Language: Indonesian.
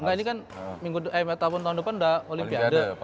nah ini kan tahun depan udah olimpiade